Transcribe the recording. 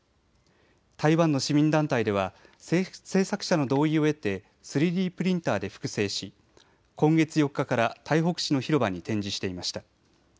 台湾の市民団体では制作者の同意を得て３Ｄプリンターで複製し今月４日から台北市内の広場に展示していました。